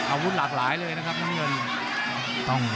อาวุธหลากหลายเลยนะครับน้ำเงิน